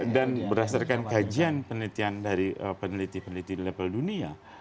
dan berdasarkan kajian peneliti peneliti level dunia